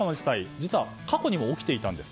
実は過去にも起きていたんです。